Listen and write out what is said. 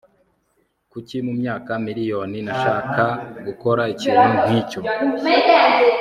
kuki mumyaka miriyoni nashaka gukora ikintu nkicyo